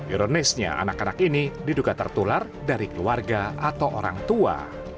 ironisnya anak anak ini diduga tertular dari keluarga atau orang tua